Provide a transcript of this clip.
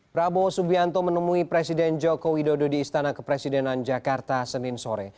prabowo subianto menemui presiden joko widodo di istana kepresidenan jakarta senin sore